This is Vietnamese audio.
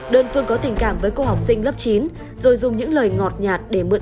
đơn phương có tình cảm với cô học sinh lớp chín rồi dùng những lời ngọt nhạt để mượn